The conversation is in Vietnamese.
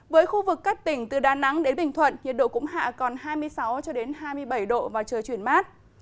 với khu vực các tỉnh từ đà nẵng đến bình thuận nhiệt độ cũng hạ còn hai mươi sáu hai mươi bảy độ và trời chuyển mát